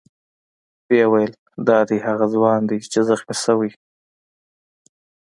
ویې ویل: دا دی هغه ځوان دی چې زخمي شوی.